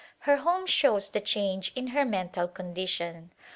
Her home shows the change in her mental condi tion.